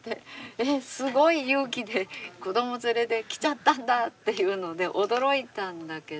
えっすごい勇気で子ども連れで来ちゃったんだっていうので驚いたんだけど。